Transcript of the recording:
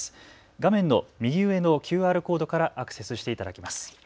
画面の右上のＱＲコードからアクセスしていただけます。